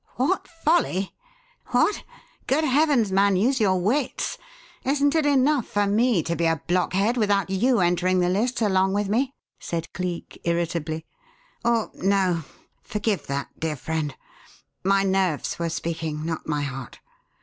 "'What folly?' What? Good heavens, man, use your wits! Isn't it enough for me to be a blockhead without you entering the lists along with me?" said Cleek, irritably. "Or, no! Forgive that, dear friend. My nerves were speaking, not my heart.